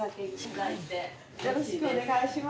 よろしくお願いします。